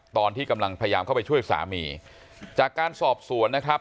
ตอนที่กำลังพยายามเข้าไปช่วยสามีจากการสอบสวนนะครับ